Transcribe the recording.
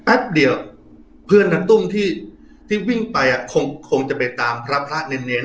แป๊บเดียวเพื่อนนะตุ้มที่ที่วิ่งไปอ่ะคงคงจะไปตามพระพระเน่นเน่น